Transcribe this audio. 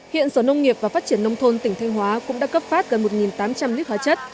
hiện sở nông nghiệp và phát triển nông thôn tỉnh thanh hóa cũng đã cấp phát gần một tám trăm linh lít hóa chất